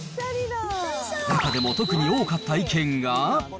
中でも特に多かった意見が。